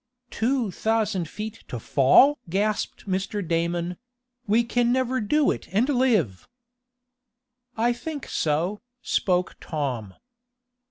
"Two thousand feet to fall!" gasped Mr. Damon. "We can never do it and live!" "I think so," spoke Tom.